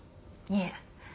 いえ。